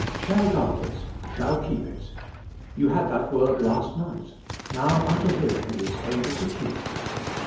Shall g uard it. Shall keep it. You had that word last night, '' Now unto Him who is able to keep.